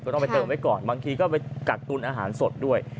ต้องไปเติมไว้ก่อนบางทีก็ไปกักตุนอาหารสดด้วย